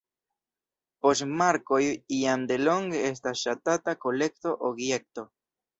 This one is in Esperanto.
Poŝtmarkoj jam delonge estas ŝatata kolekto-objekto.